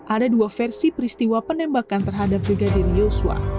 ada dua versi peristiwa penembakan terhadap brigadir yosua